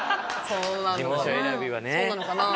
そうなのかなぁ。